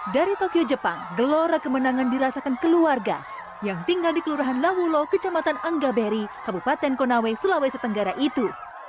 dari tokyo jepang gelora kemenangan dirasakan keluarga yang tinggal di kelurahan lawulo kecamatan anggaberi kabupaten konawe sulawesi tenggara itu